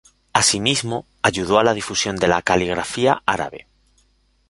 Asimismo, ayudó a la difusión de la caligrafía árabe.